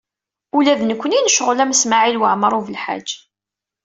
Ula d nekkni necɣel am Smawil Waɛmaṛ U Belḥaǧ.